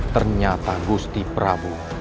ternyata gusti prabu